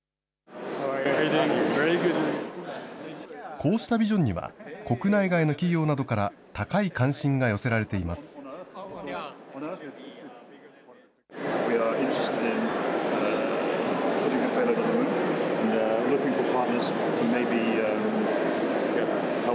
こうしたビジョンには、国内外の企業などから、高い関心が寄せられています。